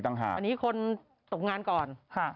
อันนี้คนตกงานก่อน